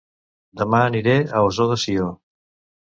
Dema aniré a Ossó de Sió